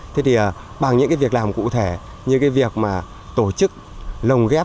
thế thì bằng những cái việc làm cụ thể như cái việc mà tổ chức lồng ghép